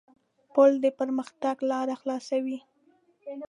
پُل د پرمختګ لاره خلاصوي.